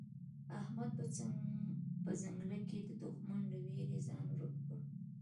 احمد په ځنګله کې د دوښمن له وېرې ځان ورک کړ.